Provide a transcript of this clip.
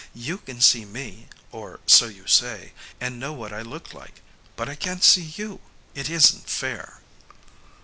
You can see me, or so you say, and know what I look like, but I can't see you. It isn't fair."